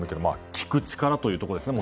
聞く力というところですよね。